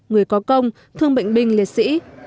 người có công thương bệnh binh liệt sĩ